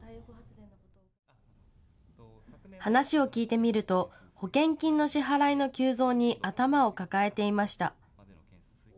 話を聞いてみると保険金の支払いの急増に頭を抱えていました。